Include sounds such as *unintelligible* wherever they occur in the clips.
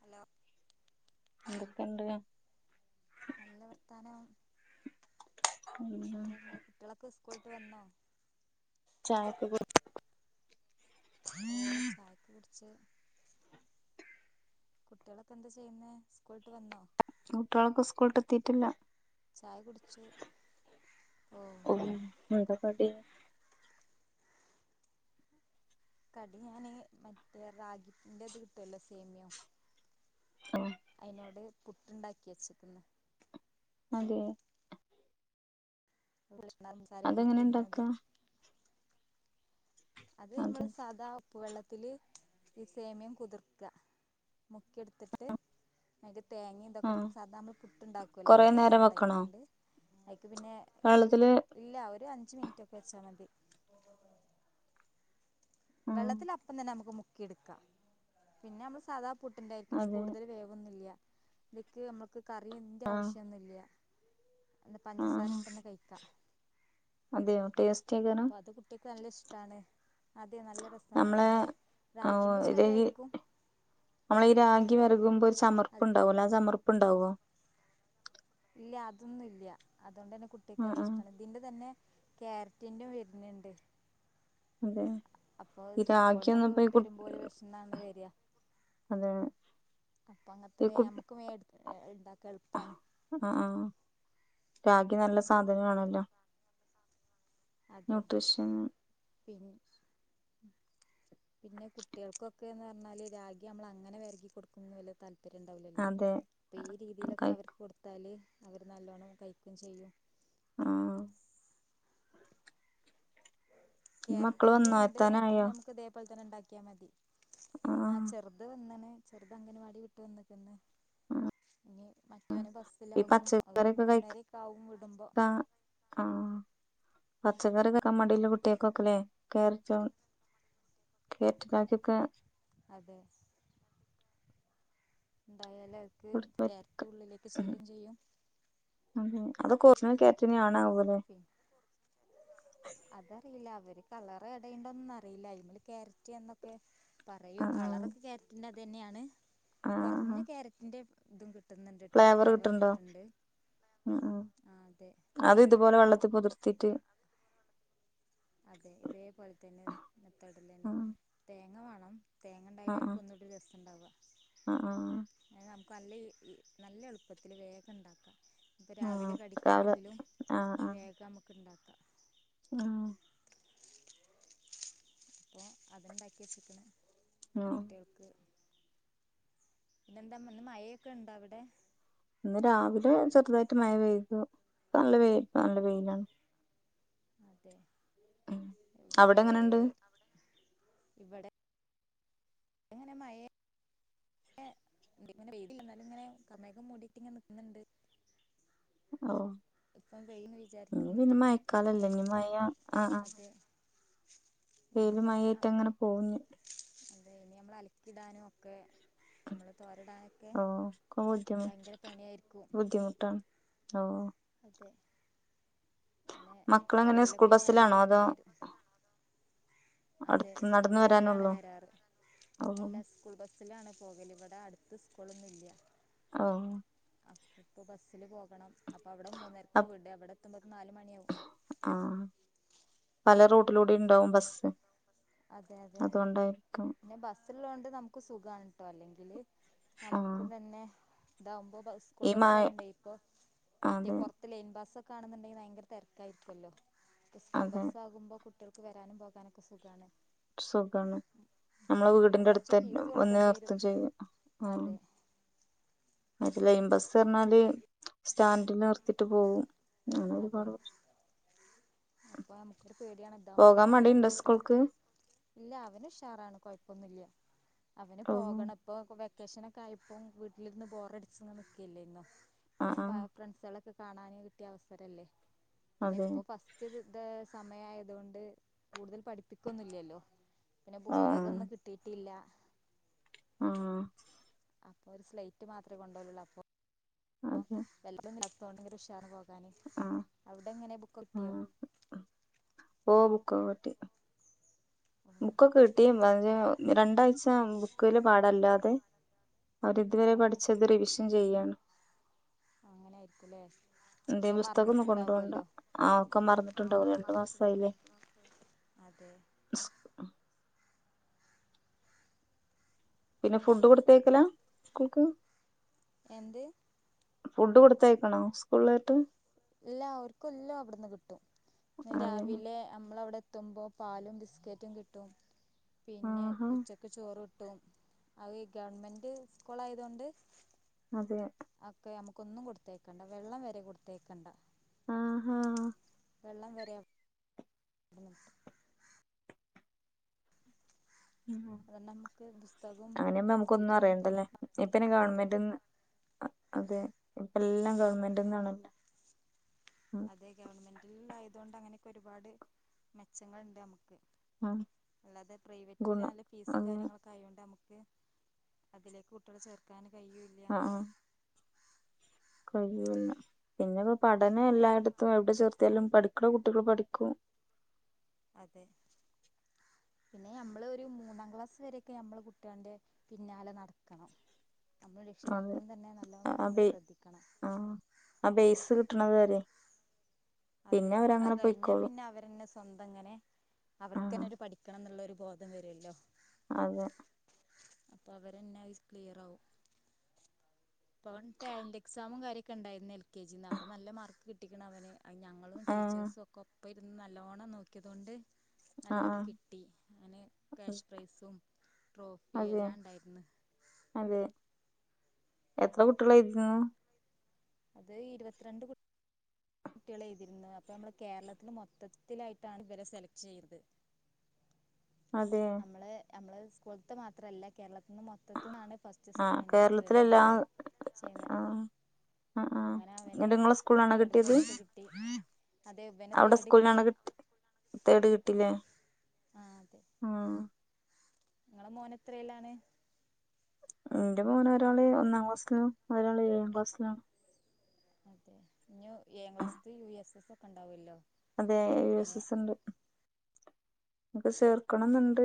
Hello എന്തൊക്കെണ്ട് നല്ല വർത്താനം ഉം എന്താ ങ്ങളെ കുട്ടിളൊക്കെ സ്കൂളിട്ട് വന്നോ ചായൊക്കെ കുടി ഓ ചായകെ കുട് ച് കുട്ടിളൊക്കെ എന്താ ചെയ്യുന്നെ സ്കൂളിട്ട് വന്നോ കുട്ടിളൊക്കെ സ്കൂളിട്ട് എത്തിട്ടില്ല ചായ കുടിച്ചു ഓ ഓഹ് എന്താ കടി കടി ഞാന് മറ്റേ റാഗിന്റെത് കിട്ടല്ലോ സേമിയോ ആഹ് അയിനോട് പുട്ടുണ്ടാക്കി ച്ചിക്ന്ന് അതെ *unintelligible* സാരിം കൂട്ടി അതെങ്ങനെ തിന്നണത് ഇണ്ടാക്കാ അത് അതെ നമ്മള് സാദാ ഉപ്പ് വെള്ളത്തില് ഈ സേമ്യം കുതിർക്ക ക്ക്യെടുത്തിട്ട് മിക തേങ്ങന്തൊക്കെ ആഹ് ഇട്ടും സാധ നമ്മള് പുട്ടുണ്ടാക്കുല്ലോ കൊറേ നേരം അതുപോലെ വെക്കണോ ണ്ടാക്ക്യാണ്ട് പിന്നെ വെള്ളത്തില് ഇല്ല ഒരു അഞ്ജ് മിനിറ്റ് ഒക്കെ വച്ചാ മതി ആഹ് എടുക്കാ പിന്നെ നമ്മള് സാദാ പൊട്ടിണ്ടായിരിതെന്നെ അതെ കൂടുതൽ വേവൊന്നുല്ല ഇത്ക്ക് അമ്മക്ക് കറിന്റെ ആഹ് ആവശ്യംന്നുംല്ല അല് പഞ്ചസാര ആഹ് ഇട്ടന്നെ കഴിക്കാം അതെയോ ടേസ് അപ്പൊ അത് കുട്ട്യാക്ക് നല്ല ഇഷ്ടാണ് അതെ നല്ല രസാണ് നമ്മളെ അമ്മള് ആഹ് റാഗിന്റെ ഇത് ചയ ആയിരിക്കു ഗി വരകുമ്പോ ഒരു ചമർപ്പ്ണ്ടാവുല്ലോ ചമർപ്ണ്ടാവോ ഇല്ല അതൊന്നും ഇല്ല അതുകൊണ്ട് തന്നെ ആഹ് കുട്ടികൾക്ക്ല്ലാം ആഹ് ഇഷ്ടണ് ഇതിന്റെ തന്നെ ക്യാരറ്റിന്റെ വരുന്നുണ്ട് അതെ അപ്പോ ഈ രാഗിയൊന്നും ഈസ്കൂളിനൊക്കെ ഇപ്പ ഈ വിട്ടു കു വരുമ്പോ ഒല് വിശന്നാണ് വെരിയ. അതെ അപ്പൊ അങ്ങനത്തെ ഈ കു ഏഹ് നമ്മുക്ക് മെടി ഇണ്ടാക്ക എളുപ്പാണ് ആഹ് ആഹ് രാഗി നല്ല സാധനണല്ലോ ന്യൂട്രിഷൻ ഉം പിന്നെ കുട്ടികൾക്കൊക്കെന്ന് പറഞ്ഞാല് രാഗി നമ്മൾ അങ്ങനെ വിരകി കൊടുക്കുന്ന വല്ല തല് പര്യണ്ടാവിലല്ലോ അതെ അപ്പൊ ഈ രീതിലൊക്കെ അവർക്ക് കൊടുത്താല് അവര് നല്ലോണ്ണം കഴിക്കും ചെയ്യും ആഹ് മക്കള് ക്യാരറ്റിന്റെ വന്നോ ഉണ്ട് അതും എത്താനായോ നമുക്ക് ഇതേപോലെ തന്നെ ഉണ്ടാക്കിയാ മതി ആഹ് ആ ചെറുത് വന്നാണ് ചെറുത് അംഗൻവാടി വിട്ട് വന്നിക്കന്ന്. ആഹ് ഇനി മറ്റവന് ഈ ബസ്സിലാകും അവര് പച്ചക്കറിയൊക്കെ കഴിക്കാ മൂന്നരൊക്കെ ആകും വിടുമ്പോ. ആഹ് പച്ചക്കറി കഴിക്കാൻ മടിഉള്ള കുട്ടികക്കൊക്കല്ലേ ക്യാരറ്റ് ക്യാരറ്റ് ഇതാക്കിക്കോ അതെ ഉടായാലക്ക് കൊടുത്ത് ക്യാരറ്റ് ഉള്ളിലേക്ക് ചെല്ലും ചെയ്യും അത് കൊറഞ്ഞ ക്യാറ്റിൻവേണവു പി അതറിയില്ല അവര് കളർ ഇടയുണ്ടോന്നും അറിയില്ല ഇമള് ക്യാരറ്റ് എന്നൊക്കെ പറയും ആഹ് ആഹ് കളർക്കെ ക്യാരറ്റിന്റെ അതന്നെയാണ് ആഹ് കുറഞ്ഞ ആഹ് ക്യാരറ്റിന്റെ ഇതും കി ഫ്ലേവർ കിട്ടണ്ടോ മു മു ആ അതെ അത് ഇതുപോലെ വെള്ള ത്തി കുതിർത്തിട്ട് അതെ ഇതേപോലെ തന്നെ മെത്തേഡ്ലാന്നെ ആഹ് തേങ്ങ വേണം തേങ്ങ ആഹ് ഉണ്ടായാലെക്കൊ ഒന്നൂടി രസണ്ടാവുക ആഹ് ആഹ് പിന്നെ *inaudible* നല്ല എളുപ്പത്തില് വേഗം ഇണ്ടാക്കാം ഇപ്പ ആഹ് രാവിലെ രാവിലെ കടിക്കാണെങ്കിലും ആഹ് ആഹ് വേഗമുക്ക് ഇണ്ടാക്കാം ആഹ് അപ്പൊ അതിണ്ടാക്കി വെച്ചേക്കണ് ആഹ് കുട്ടികൾക്ക്. പിന്നെന്താ ഇം ഇന്ന്‌ മഴേക്കെ ഇണ്ട അവിടെ ഇന്ന് രാവിലെ ചെറുതായിട്ട് മഴ പെയ്തു നല്ല വെയി നല്ല വെയിലാണ്. അതേ ഉം അവിടെങ്ങനെണ്ട് ഇവിടെ ഇങ്ങനെ മയേ ടെ *unintelligible* എന്നാലും ഇങ്ങനെ കാർമേഘം മൂടിട്ട് ഇങ്ങനെ നിക്കുന്നെണ്ട് ഓഹ് ഇനി പിന്നെ മയക്കാലല്ലേ ഇനി മയ ആ ആ അതേ വെയിലും മയേറ്റങ്ങനെ പോഞ്ഞു അഹ് ഇനി നമ്മള് അലക്കിടാനു ഒക്കെ നമ്മള് തോരടാ ഓഹ് ഒക്കെ ബുദ്ധിമു പണിയായിരിക്കും ബുദ്ധിമുട്ടാണ് ഓഹ് അതെ അങ്ങനെ മക്കളെങ്ങനെ ഉള്ളിലൊക്കെ സ്കൂൾ ഇനി അയില് ബസ്സിലാണോ അതോ കെട്ടേണ്ടി വരും അതെ അടുത്ത് സ്കൂൾ നടന്ന് ബസ്സിലാണ് വരാനുള്ളോ വരാറ് ഓ അല്ല സ്കൂൾ ബസ്സിലാണ് പോകല് ഇ വട അടുത്ത് സ്കൂളൊന്നും ഇല്ല്യ ഓഹ് അപ്പിപ്പ ബസ്സില് പോകണം അപ്പ അവിടെ മൂന്നെരക്കാ അപ് വിടാ ഇവിടെത്തുമ്പത്ത് നാല് മണിയാവും. ആ പല റൂട്ടിലൂടേം ഇണ്ടാവും ബസ്സ്. അതെ അതെ അതുകൊണ്ടായിരിക്കും പിന്നെ ബസ്സിള്ളോണ്ട് നമുക്ക് സുഖാണ് ട്ടോ അല്ലെങ്കില് ആ നമുക്ക് പിന്നെ ഇതാവുമ്പോ ബസ് സ്കൂൾ ഈ മഴ ബസ്സായോണ്ടെ ഇപ്പൊ മറ്റേ അതെ പൊറത്ത് ലെയ്ൻ ബസ്സ് കാണുന്നുണ്ടെങ്കി ഭയങ്കര തെരക്കാരിക്കുവല്ലോ സ്കൂൾ അതെ ബസ് ആകുമ്പോ കുട്ടികൾ വെരാനും പോകാനും ഒക്കെ സുഖാണ്. സുഖാണ്. നമ്മളെ നമ്മള് വീടിന്റെ കൊറച്ച് അടുത്തന്നെ ഫീസ് വന്ന് കൊടുക്കേണ്ടി വരും നിർത്തം ചെയ്യും ഉം. അതെ ലൈം ബസ്സ് പറഞ്ഞാല് സ്റ്റാൻഡിൽ നിർത്തീട്ട് പോവും. അങ്ങനെ അതെ ഒരുപാട് പ്രശ്നം. അപ്പ അമുക്ക് പേടിയാണ് ഇതാവുമ്പോ പോകാൻ നമുക്ക് വേഗം മടിയുണ്ടോ സ്കൂൾക്ക് കുട്ടിയളെത്തും ഇല്ല അവൻ ഉഷാറാണ് കുഴപ്പൊന്നുല്ല. അവന് ഓ പോകണിപ്പോ ഇപ്പൊ വെക്കേഷൻ ഒക്കെ ആയപ്പം വീട്ടിലിരുന്ന് ബോറടിച്ച് ഇങ്ങനെ നിക്കല്ലേരുന്നോ? ആ ഇപ്പം ആ പയ ഫ്രണ്ട്സുകളൊക്കെ കാണാൻ കിട്ടിയ അവസരല്ലേ പിന്നെ അതെ ഇപ്പോ ഫസ്റ്റ് ഒരിത് സമയ ആയതോണ്ട് കൂടുതൽ പഠിപ്പിക്കന്നില്ല്യല്ലോ. പിന്നെ ആ പുസ്തകം ഒന്നും കിട്ടീട്ടില്ല. ആഹ്. അപ്പൊ ഒരു സ്ലൈറ്റ് മാത്രമേ കൊണ്ടോവലുള്ളൂ അപ്പൊ അതെ അപ്പോ *unintelligible* ഉഷാർ പോ വാന് ആ അവിടെ എങ്ങനെ ബുക്ക് ഒക്കെ ആ കിട്ടിയോ? ക്കോ കിട്ടി. ബുക്കൊക്കെ കിട്ടി ബജെയോ രണ്ടാഴ്ച ബുക്കില് പാടല്ലാതെ അവര് ഇതുവരെ അതെ പഠിച്ചത് റിവിഷൻ ചെയ്യാണ്. അങ്ങനെ ആയിരിക്കും ല്ലേ. എന്തെ പുസ്തകം ഒന്നും കൊണ്ട് പോണ്ട ആഹ് ഒക്കെ മറന്നിട്ടുണ്ടാവും രണ്ടു മാസായില്ലേ അതെ. പിന്നെ ഫുഡ് കൊടുത്തേക്കലാ സ്കൂൾക്ക്? എന്ത്? ഫുഡ് കൊടുത്തയക്കണോ സ്കൂളിലേട്ട്. ഇല്ല അവർക്ക് എല്ലാം അവിടെന്ന് കിട്ടും അതെ രാവിലെ നമ്മളവിടെ ത്തുമ്പോ പാലും ബിസ്കറ്റും കിട്ടും പിന്നെ ആഹാ ഉച്ചക്ക് ചോറ് ട്ടും അയ് ഗവൺമെന്റ് സ്കൂൾ ആയത് കൊണ്ട് അതെ കൊന്നും കൊടുത്തേക്കണ്ട വെള്ളം വരെ കൊടുത്തേയക്കേണ്ട ആഹ് ആഹാ വെള്ളം വരെ അവിടുന്ന് കിട്ടും അതെണ്ട് നമുക്ക് പുസ്തകവും അങ്ങനെയ്പ്പം നമുക്കൊന്നും സ്ലേറ്റുകളും മാത്രം അറിയണ്ടല്ലേ മതി. ഇപ്പന്നെ അതെ ഗവൺമെന്റ്ന്ന് അതെ ഇപ്പം എല്ലാം ഗവണ്മെന്റ് ന്നാണല്ലോ അതെ ഗവൺമെന്റിൽ ആയതൊണ്ട് അങ്ങനെയൊക്കെ ഒരുപാട് മെച്ചങ്ങൾ ഉണ്ട് നമ്മുക്ക് ഉം അല്ലാതെ പ്രൈവറ്റില് ഗുണം നല്ല ഫീസും അത് കാര്യങ്ങളൊക്കെ ആയൊണ്ട് നമുക്ക് അതിലേക്ക് കുട്ടികള് ചേർക്കാന് ആഹ് ആഹ് കഴിയൂല്ല പിന്നെ പഠനം എല്ലായിടത്തും എവിടെ ചേർത്തിയാലും പഠിക്കണ കുട്ടികൾ പഠിക്കും അതെ പിന്നെ ഞമ്മള് ഒരു മൂന്നാം ക്ലാസ് വരൊക്കെ ഞമ്മള് കുട്ടി ആളിന്റെ പിന്നാലെ നടക്കണം നമ്മള് അതെ രക്ഷിതാക്കളും തന്നെ നല്ലോം ആ വീട്ടന്ന് ബേ ശ്രദ്ധിക്കണം കിട്ട്ണത് വരെ അതെ പിന്നെ അത് അവരങ്ങനെ കഴിഞ്ഞാ പൊയ്ക്കോളും പിന്നെ അവരന്നെ സ്വന്തം ഇങ്ങനെ ആഹ് അവർക്ക്ന്നെ ഒരു പഠിക്കണം എന്നുള്ളരു ബോധം വരുല്ലോ അതെ അപ്പൊ അവരെന്നെ ക്ലിയർ ആവും ഇപ്പൊ ടാലന്റ് എക്സാമും കാര്യൊക്കെ ഉണ്ടായിരുന്നു എൽ കെ ജിന്ന് അപ്പൊ നല്ല മാർക്ക് കിട്ടിക്ക്ണ് അവന് ഞങ്ങളും ആഹ് ടീച്ചേഴ്സും ഒക്കെ ഒപ്പം ഇരുന്ന് നല്ലോണം നോക്കിയതോണ്ട് ആഹ് നല്ലത് ആഹ് കിട്ടി അയ്ന് കാശ് പ്രൈസും ട്രോഫി അതെ എല്ലാം ഇണ്ടായിര്ന്ന് അതെ എത്ര കുട്ടികളായിരുന്നു? അത് ഇരുപത്തിരണ്ട് കുട്ടി ട്ടികള് എഴുതിയിരുന്നു അപ്പൊ നമ്മള് കേരളത്തില് മൊത്തത്തിലായിട്ടാണ് ഇവരെ സെലക്ട് ചെയ്യത് അതെ നമ്മള് സ്കൂൾത്ത് മാത്രല്ല കേരളത്തി ഇന്ന് മൊത്തത്തിന്നാണ് ഫസ്റ്റ് ആഹ് സെക്കൻഡ് തേർഡ് കേരളത്തിലെല്ലാ അങ്ങനെ ചെയ്യുന്നെ അഹ് ആഹ്. ന്നെട്ട് ഇങ്ങളെ സ്കൂളിനാണോ കിട്ടിയത്? പ്രൈസ് കിട്ടി അതെ ഇവന് തേർട് കിട്ടി തേർട് കിട്ടിലേ ഉം ങ്ങളെ മോന് എത്രേലാണ് ന്റെ മോന് ഒരാള് ഒന്നാം ക്ലാസിലും ഒരാള് ഏഴാം ക്ലാസിലും അതെ ഇഞ്ഞി ഏഴാം ക്ലാസ്സിത്ത് യു എസ് എസ് ഒക്കെ ഉണ്ടാവല്ലോ അതെ യു എസ് എസ് ഉണ്ട് ന്ക്ക് ചേർക്കണംന്നുണ്ട്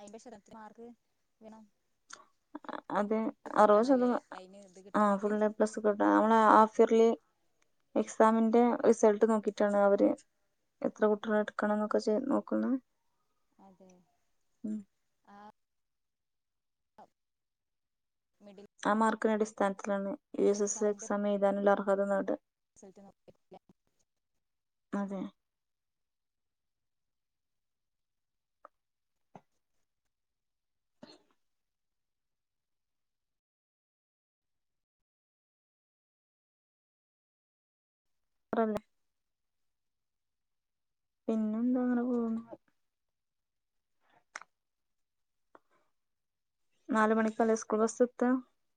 അയ്മ്പത് ശതമാനം മാർക്ക് വെണം അതെ അറുപത് ശതമാ അതിന് ഇത് ആ ഫുൾ കിട്ടണെങ്കിൽ എ പ്ലസ് തൊട്ട് നമ്മള ഹാഫ് ഇയർലി എക്സാമിന്റെ റിസൾട്ട് നോക്കിട്ടാണ് അവര് എത്ര കുട്ടികളെ എടുക്കണം എന്നൊക്കെ ചെ നോക്കുന്നെ. അതെ ഉം ആഹ് മിഡിൽ ആ മാർക്കിന്റെ അടിസ്ഥാനത്തിലാണ് യു എസ് എസ് എക്സാമിന്റെ എക്സാം എഴുതാനുള്ള അർഹത നേടാ. റിസൾട്ട് *unintelligible* അതെ പറല്ലേ പിന്നെ എന്താ അങ്ങനെ പോണ് നാല് മണിിക്കാലേ സ്കൂൾ ബസ്സത്ത